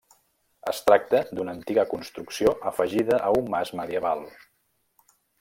Es tracta d'una antiga construcció afegida a un mas medieval.